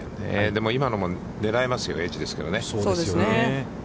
でも今のも狙えますよ、エッジですけどね。